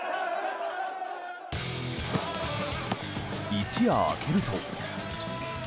一夜明けると。